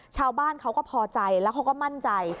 ชาวบ้านเขาก็พอใจแล้วเขาก็มั่นใจ